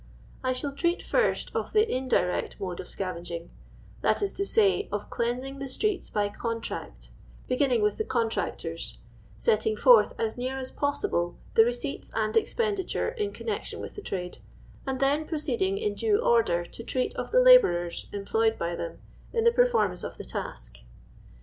I shall treat first of the indirect mode of scavenging — that is to say, of cleansing the streets by contract — bejiinning with the contractors, setting forth, as ne:ir ns possible, the receipts and expenditure in connection with the tnide, and then proceeding in due order to treat of the labourers emiloyed by them in the performance of the task.